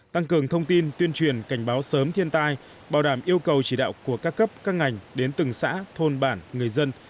tăng cường thông tin tuyên truyền cảnh báo sớm thiên tai bảo đảm yêu cầu chỉ đạo của các cấp các ngành đến từng xã thôn bản người dân